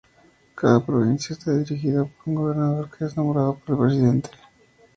Cada provincia está dirigida por un gobernador que es nombrado por el presidente.